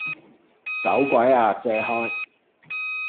走鬼呀借開!